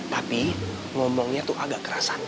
tapi ngomongnya tuh agak kerasan